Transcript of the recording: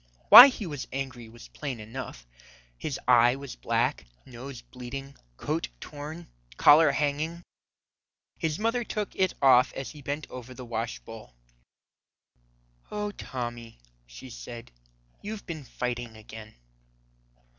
Why he was angry was plain enough. His eye was black, nose bleeding, coat torn, collar hanging. His mother took it off as he bent over the wash bowl. "Oh, Tommy," she said, "you've been fighting again."